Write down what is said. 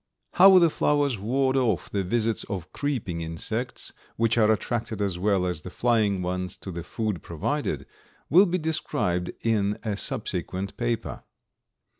How the flowers ward off the visits of creeping insects, which are attracted as well as the flying ones to the food provided, will be described in a subsequent paper.